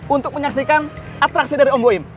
untuk menyaksikan atraksi dari ombuim